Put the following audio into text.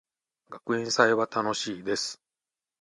学園祭は楽しいです。